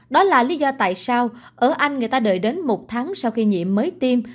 đó là lý do tại sao ở anh người ta đợi đến một tháng sau khi nhiễm mới tiêm